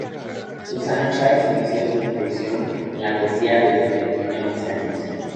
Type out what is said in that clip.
Susana Chávez inició su incursión en la poesía desde que tenía once años.